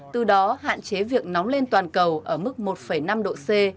từ đó hạn chế việc nóng lên toàn cầu ở mức một năm độ c